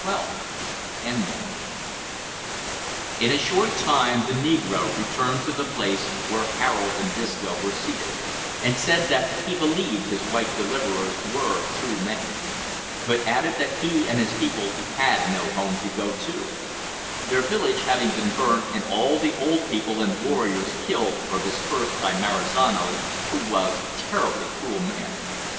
] In a short time the negro returned to the place where Harold and Disco were seated, and said that he believed his white deliverers were true men, but added that he and his people had no home to go to; their village having been burnt, and all the old people and warriors killed or dispersed by Marizano, who was a terribly cruel man.